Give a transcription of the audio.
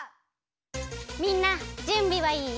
みんなじゅんびはいい？